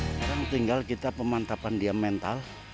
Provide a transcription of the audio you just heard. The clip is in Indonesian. sekarang tinggal kita pemantapan dia mental